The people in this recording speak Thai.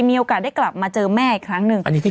มีโอกาสได้กลับมาเจอแม่อีกครั้งหนึ่ง